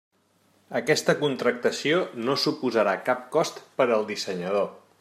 Aquesta contractació no suposarà cap cost per al dissenyador.